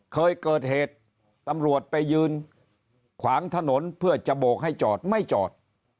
เคยเกิดเหตุตำรวจไปยืนขวางถนนเพื่อจะโบกให้จอดไม่จอด